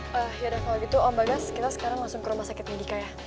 ya udah kalo gitu om bagas kita sekarang langsung ke rumah sakit medika ya